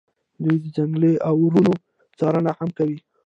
دوی د ځنګلي اورونو څارنه هم کوي